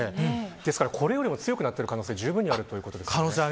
ですから、これよりも強くなる可能性はじゅうぶんにあるということですよね。